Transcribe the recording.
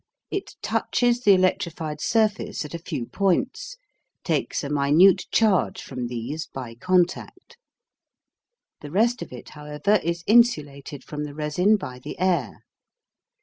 It touches the electrified surface at a few points, takes a minute charge from these by contact. The rest of it, however, is insulated from the resin by the air.